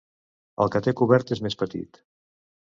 El que té coberta és més petit.